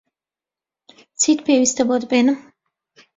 چیت پێویستە بۆت بێنم؟